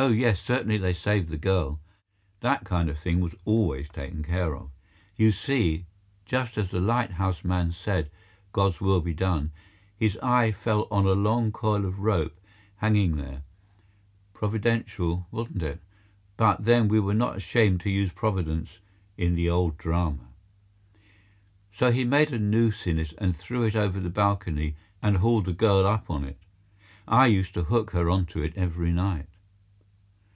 Oh, yes, certainly they saved the girl. That kind of thing was always taken care of. You see just as the lighthouse man said "God's will be done," his eye fell on a long coil of rope, hanging there. Providential, wasn't it? But then we were not ashamed to use Providence in the Old Drama. So he made a noose in it and threw it over the balcony and hauled the girl up on it. I used to hook her on to it every night.